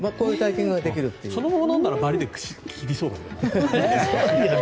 そのまま飲んだらバリで切りそうだけどね。